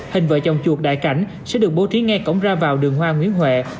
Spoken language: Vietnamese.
hình vợ chồng chuột đại cảnh sẽ được bố trí ngay cổng ra vào đường hoa nguyễn huệ